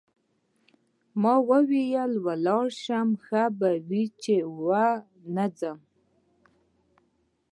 ما وویل چې ولاړ شم ښه به وي چې ونه ځم.